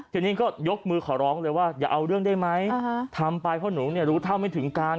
ทีนี้ก็ยกมือขอร้องเลยว่าอย่าเอาเรื่องได้ไหมทำไปเพราะหนูเนี่ยรู้เท่าไม่ถึงการ